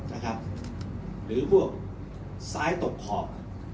นะครับหรือพวกซ้ายตกขอบ